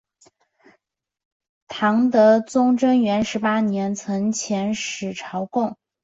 唐德宗贞元十八年曾遣使朝贡。